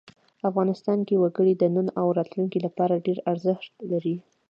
افغانستان کې وګړي د نن او راتلونکي لپاره ډېر ارزښت لري.